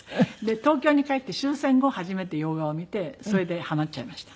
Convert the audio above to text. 東京に帰って終戦後初めて洋画を見てそれでハマっちゃいました。